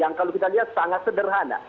yang kalau kita lihat sangat sederhana